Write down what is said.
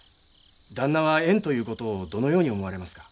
旦那は縁という事をどのように思われますか？